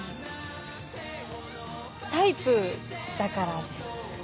タイプだからです。